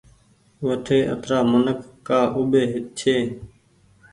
وٺي اترآ منک ڪآ اوٻي ڇي۔